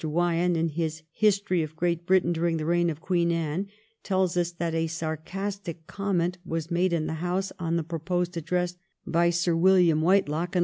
Wyon, in his 'History of Great Britain during the Keign of Queen Anne,' tells us that a sarcastic comment was made in the House on the proposed Address by Sir William Whitelocke, an 264 THE REIGN OF QUEEN ANNE. ch. xxxiii.